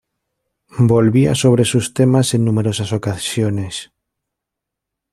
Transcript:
Volvía sobre sus temas en numerosas ocasiones.